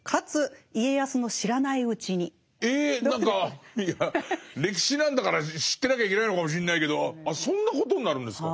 何かいや歴史なんだから知ってなきゃいけないのかもしんないけどあそんなことになるんですか。